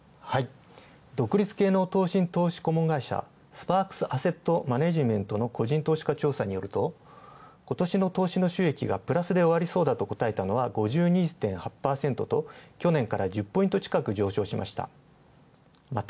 独立系の投信顧問調査スパークスアセットマネージメントの個人投資家調査によると、今年の収益がプラスで終わりそうだと答えたのは５２．８％と去年から１０ポイント近く上昇しました。